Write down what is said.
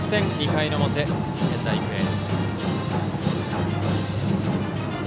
２回の表、仙台育英。